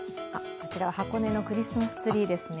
こちらは箱根のクリスマスツリーですね。